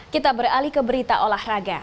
kita beralih ke berita olahraga